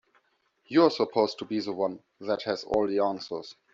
You're supposed to be the one that has all the answers.